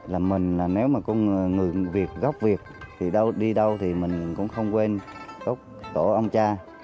là mình nếu mà công người việt góc việt thì đi đâu thì mình cũng không quên góc tổ ông cha